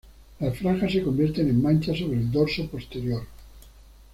Las franjas se convierten en manchas sobre el dorso posterior.